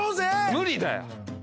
無理だよ。